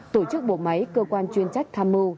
tổ chức bộ máy cơ quan chuyên trách tham mưu